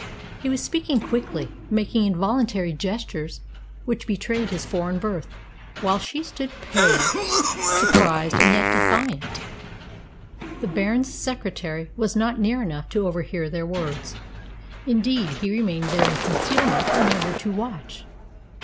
He was speaking quickly, making involuntary gestures which betrayed his foreign birth, while she stood pale, surprised, and yet defiant. The Baron's secretary was not near enough to overhear their words. Indeed, he remained there in concealment in order to watch.